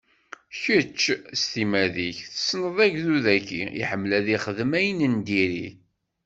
Kečč, s timmad-ik, tessneḍ agdud-agi, iḥemmel ad ixdem ayen n diri.